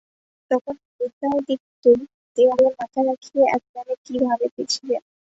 তখন উদয়াদিত্য দেয়ালে মাথা রাখিয়া এক মনে কি ভাবিতেছিলেন।